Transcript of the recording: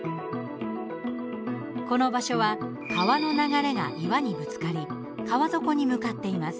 この場所は川の流れが岩にぶつかり川底に向かっています。